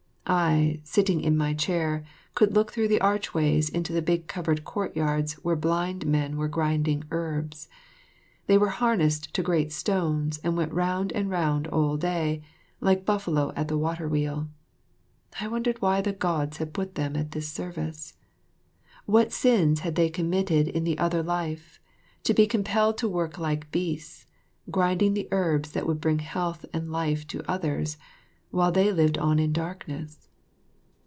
I, sitting in my chair, could look through the archways into the big covered courtyards where blind men were grinding herbs. They were harnessed to great stones, and went round and round all day, like buffalo at the water wheel. I wondered why the Gods had put them at this service. What sins they had committed in their other life, to be compelled to work like beasts, grinding the herbs that would bring health and life to others, while they lived on in darkness.